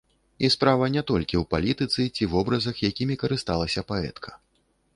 І справа не толькі ў палітыцы ці вобразах, якімі карысталася паэтка.